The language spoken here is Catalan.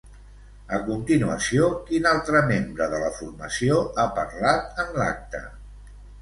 A continuació, quin altre membre de la formació ha parlat en l'acte?